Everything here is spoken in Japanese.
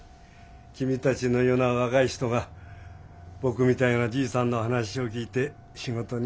君たちのような若い人が僕みたいなじいさんの話を聞いて仕事に生かしてくれる。